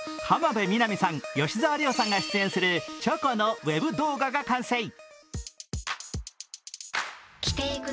浜辺美波さん、吉沢亮さんが出演するチョコのウェブ動画が完成。